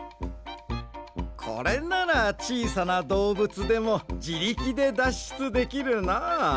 これならちいさなどうぶつでもじりきでだっしゅつできるなあ。